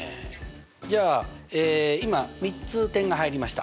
じゃあ今３つ点が入りました。